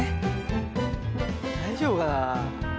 大丈夫かな。